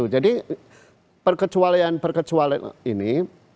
jadi perkecualian perkecualian ini